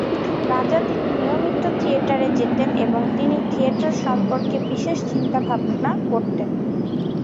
রাজা তিনি নিয়মিত থিয়েটারে যেতেন এবং তিনি থিয়েটার সম্পর্কে বিশেষ চিন্তা ভাবনা করতেন।